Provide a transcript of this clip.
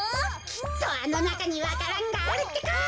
きっとあのなかにわか蘭があるってか！